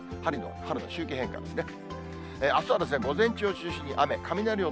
春の周期変化ですね。